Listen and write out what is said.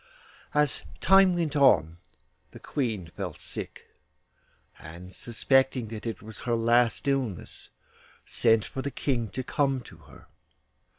As time went on the Queen fell sick, and suspecting that it was her last illness, sent for the King to come to her.